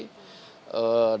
dari kondisi ini